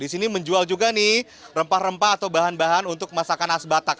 di sini menjual juga nih rempah rempah atau bahan bahan untuk masakan as batak